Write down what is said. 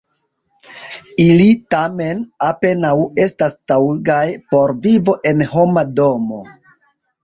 Ili, tamen, apenaŭ estas taŭgaj por vivo en homa domo.